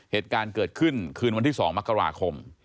เหตุการณ์เกิดขึ้นคืนวันที่๒มกราคม